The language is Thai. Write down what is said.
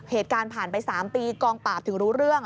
เหตุการณ์ผ่านไป๓ปีกองปราบถึงรู้เรื่อง